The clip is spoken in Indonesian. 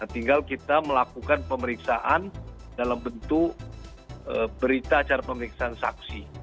tinggal kita melakukan pemeriksaan dalam bentuk berita acara pemeriksaan saksi